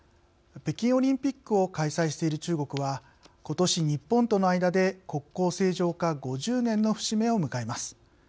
北京オリンピックを開催している中国はことし、日本との間で国交正常化５０年の節目を迎えます。